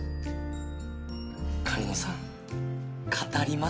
狩野さん語りますね。